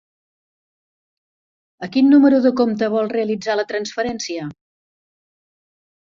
A quin número de compte vol realitzar la transferència?